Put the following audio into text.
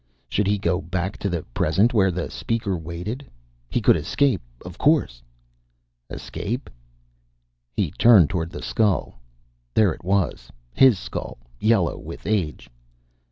Should he go back to the present, where the Speaker waited? He could escape, of course Escape? He turned toward the skull. There it was, his skull, yellow with age.